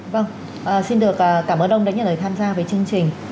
vâng xin được cảm ơn ông đã nhận lời tham gia với chương trình